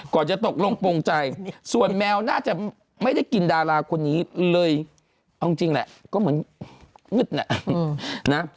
จะตกลงโปรงใจส่วนแมวน่าจะไม่ได้กินดาราคนนี้เลยเอาจริงแหละก็เหมือนมืดน่ะนะ